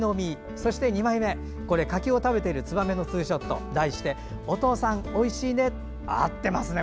そして２枚目、柿を食べているツバメのツーショット題して「お父さん、おいしいね」合ってますね！